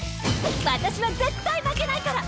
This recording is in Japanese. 私は絶対負けないから！